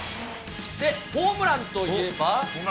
で、ホームランといえば。